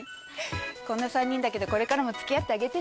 こんな３人だけどこれからも付き合ってあげてね。